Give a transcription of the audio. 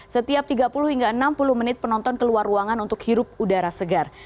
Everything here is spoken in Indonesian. setiap tiga puluh hingga enam puluh menit penonton keluar ruangan untuk hirup udara segar